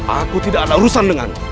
aku tidak ada urusan dengan